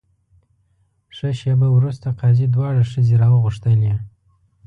ښه شېبه وروسته قاضي دواړه ښځې راوغوښتلې.